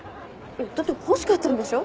だって欲しかったんでしょ？